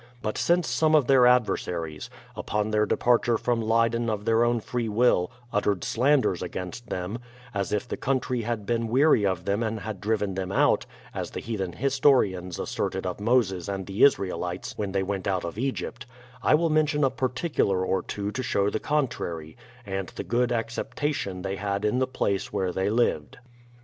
But since some of their adver saries, upon their departure from Leyden of their own free will, uttered slanders against them, as if the country had been weary of them and had driven them out, as the heathen historians asserted of Moses and the Israelites when they went out of Egypt, I will mention a particular or two to show the contrary, and the good acceptation they had in the place where they lived.